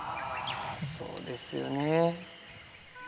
そうですよね。